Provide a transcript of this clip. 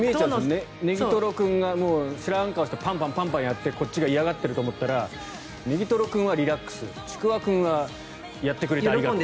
ねぎとろ君が知らん顔してパンパンやってこっちが嫌がってると思ったらねぎとろ君はリラックスちくわ君はやってくれてありがとうと。